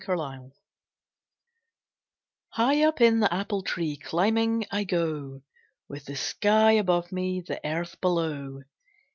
Climbing High up in the apple tree climbing I go, With the sky above me, the earth below.